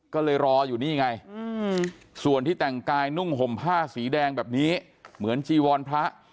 ก็เลยรออยู่นี่ไงส่วนที่แต่งกายนุ่งห่มผ้าสีแดงแบบนี้เหมือนจีวรพระ